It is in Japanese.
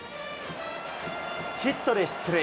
ヒットで出塁。